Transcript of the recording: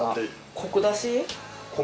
コク出し。